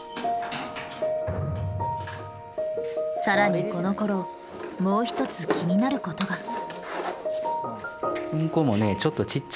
さらにこのころもう一つ気になることが。